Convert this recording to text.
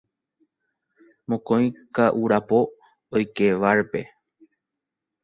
Mokõi ka'urapo oike bar-pe.